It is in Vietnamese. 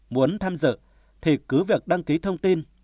muốn tham dự thì cứ việc đăng ký thông tin